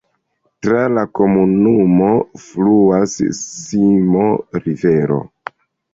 Tra la komunumo fluas Simo-rivero.